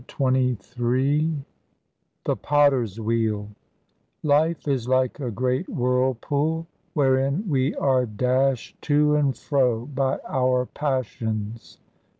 CHAPTER XXIII THE POTTER'S WHEEL 'Life is like a great whirlpool wherein we are dashed to and fro by our passions.'